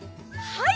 はい！